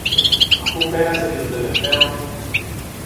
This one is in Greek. Αφού πέρασε και τον τελευταίο